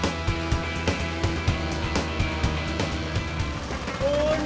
ayo kejar kejar kejar